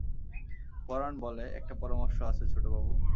পরাণ বলে, একটা পরামর্শ আছে ছোটবাবু।